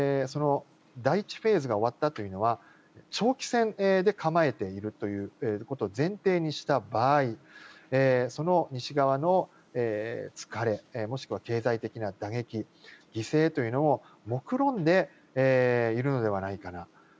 第１フェーズが終わったというのは長期戦で構えているということを前提にした場合その西側の疲れもしくは経済的な打撃、犠牲というのももくろんでいるのではないかなと。